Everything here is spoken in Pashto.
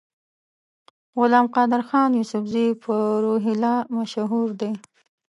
غلام قادرخان یوسفزي په روهیله مشهور دی.